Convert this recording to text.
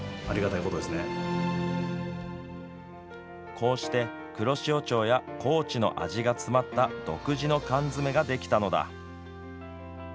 こうして黒潮町や高知の味が詰まった独自の缶詰ができたのだ。